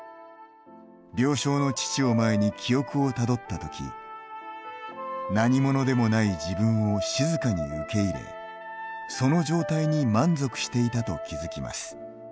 病床の父を前に記憶をたどった時何者でもない自分を静かに受け入れその状態に満足していたと気付きます。